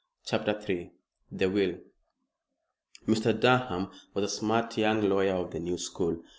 CHAPTER III THE WILL Mr. Durham was a smart young lawyer of the new school.